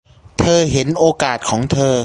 เธอเห็นโอกาสของเธอ